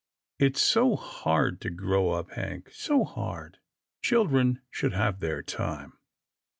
It's so hard to grow up. Hank, so hard. Children should have their time."